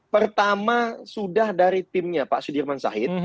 pertama sudah dari timnya pak sudirman said